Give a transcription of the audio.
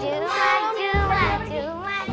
jumat jumat jumat